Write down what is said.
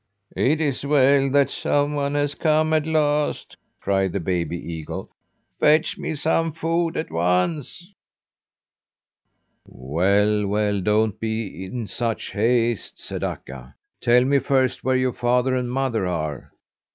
"It is well that some one has come at last," cried the baby eagle. "Fetch me some food at once!" "Well, well, don't be in such haste," said Akka. "Tell me first where your father and mother are."